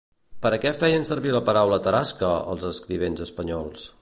Per a què feien servir la paraula “tarasca” els escrivents espanyols?